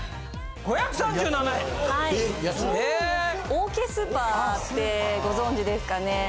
オーケースーパーってご存じですかね？